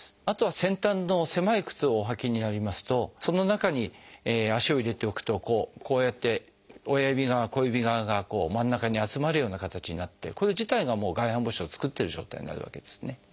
あとは先端の狭い靴をお履きになりますとその中に足を入れておくとこうやって親指側小指側がこう真ん中に集まるような形になってこれ自体がもう外反母趾を作ってる状態になるわけですね。